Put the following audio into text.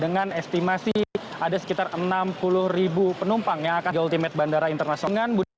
dengan estimasi ada sekitar enam puluh penumpang yang akan di ultimate bandara internasional soekarno nata